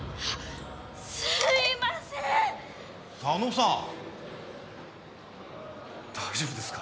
・佐野さん大丈夫ですか？